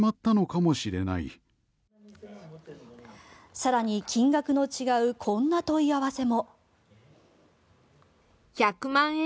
更に金額の違うこんな問い合わせも。